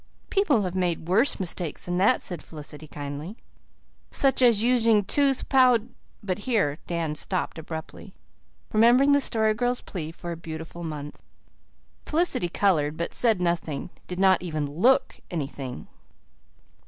"People have made worse mistakes than that," said Felicity kindly. "Such as using tooth powd " but here Dan stopped abruptly, remembering the Story Girl's plea for a beautiful month. Felicity coloured, but said nothing did not even LOOK anything.